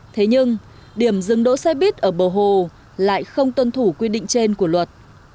thế nhưng điểm dừng đỗ xe buýt ở bờ hồ lại không tuân thủ quy định trên của luật